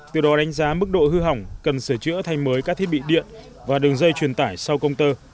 từ đó đánh giá mức độ hư hỏng cần sửa chữa thay mới các thiết bị điện và đường dây truyền tải sau công tơ